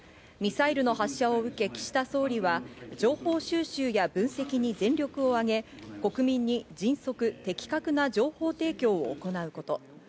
ミサイルの発射を受け、岸田総理は情報収集や分析に全力を挙げ、国民に迅速・的確な情報提供を行うこと。